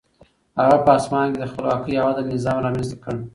هغه په اصفهان کې د خپلواکۍ او عدل نظام رامنځته کړ.